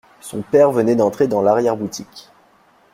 Son père venait d’entrer dans l’arrière-boutique.